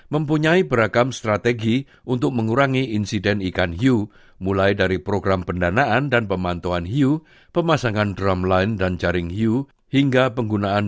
mempunyai beragam strategi untuk mengurangi insiden ikan hiu